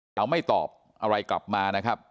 เขาไม่ตอบอะไรกลับมานะครับ